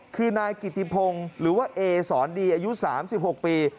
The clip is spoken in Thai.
คือนายกิติพงศ์หรือว่าเอสอนดีอายุ๓๖ปี